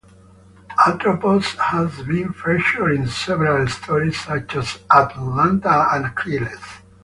Atropos has been featured in several stories such as Atalanta and Achilles.